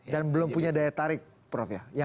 dan belum punya daya tarik prof ya